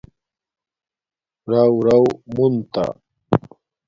رَݸرݸ منتا